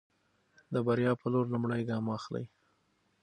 د بریا په لور لومړی ګام واخلئ.